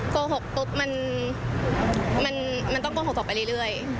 โกหกปุ๊บมันต้องโกหกต่อไปเรื่อย